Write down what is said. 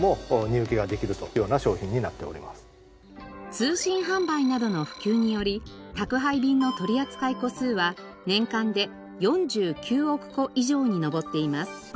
通信販売などの普及により宅配便の取扱個数は年間で４９億個以上に上っています。